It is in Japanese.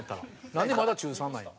なんでまだ中３なんよ。